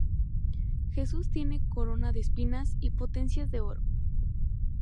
Jesús tiene corona de espinas y potencias de oro.